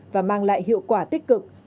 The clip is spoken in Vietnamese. và mang lại hiệu quả tích cực